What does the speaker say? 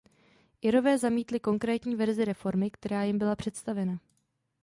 Irové zamítli konkrétní verzi reformy, která jim byla představena.